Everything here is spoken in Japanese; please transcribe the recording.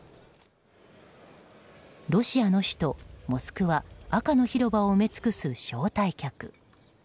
ロシアの首都モスクワ赤の広場を埋め尽くす招待客。